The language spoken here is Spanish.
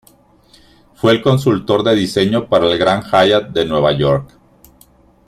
Fue el consultor de diseño para el Grand Hyatt de Nueva York.